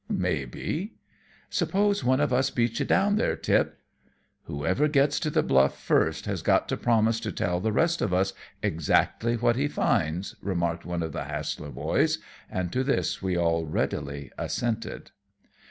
"Maybe." "Suppose one of us beats you down there, Tip?" "Whoever gets to the Bluff first has got to promise to tell the rest of us exactly what he finds," remarked one of the Hassler boys, and to this we all readily assented.